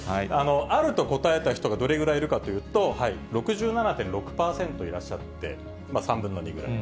あると答えた人がどれぐらいいるかというと、６７．６％いらっしゃって、３分の２ぐらい。